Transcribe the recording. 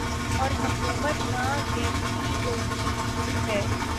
اور حکومت منہ دیکھتی رہتی ہے